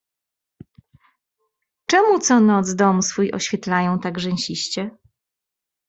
"Czemu co noc dom swój oświetlają tak rzęsiście."